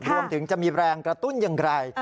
รวมถึงจะมีแรงกระตุ้นอย่างไร